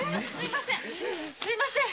すみません